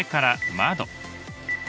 窓